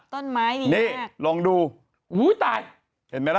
ต้นไม้นี่ลองดูอุ้ยตายเห็นไหมล่ะ